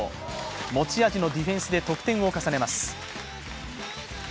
持ち味のディフェンスで得点を重ねます。